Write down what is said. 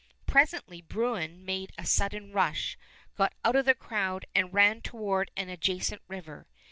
Presently Bruin made a sudden rush, got out of the crowd, and ran toward an adja cent river.